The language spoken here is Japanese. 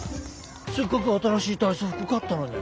せっかく新しい体操服買ったのに。